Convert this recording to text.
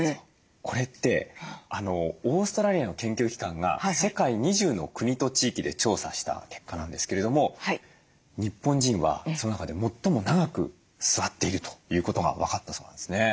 これってオーストラリアの研究機関が世界２０の国と地域で調査した結果なんですけれども日本人はその中で最も長く座っているということが分かったそうなんですね。